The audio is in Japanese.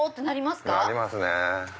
なりますね。